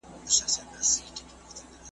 لکه شمع یم په ورځ کي د لمر مخي ته بلېږم ,